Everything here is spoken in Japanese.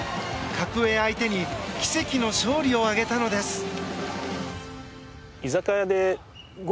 格上相手に奇跡の勝利を挙げたのです。